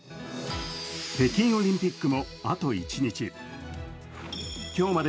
北京オリンピックもあと１日。